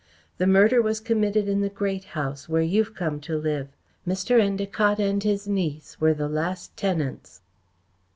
The murder was committed in the Great House, where you've come to live. Mr. Endacott and his niece were the last tenants."